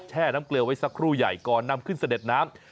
น้ำเกลือไว้สักครู่ใหญ่ก่อนนำขึ้นเสด็จน้ำ